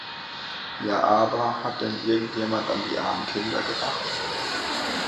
Ja aber, hat denn irgend jemand an die armen Kinder gedacht?